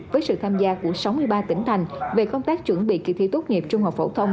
với sự tham gia của sáu mươi ba tỉnh thành về công tác chuẩn bị kỳ thi tốt nghiệp trung học phổ thông